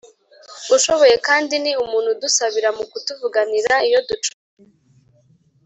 ushoboye kandi ni umuntu udusabira mu kutuvuganira iyo ducumuye